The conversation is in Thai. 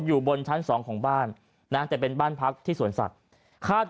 อยู่บนชั้นสองของบ้านนะแต่เป็นบ้านพักที่สวนสัตว์คาด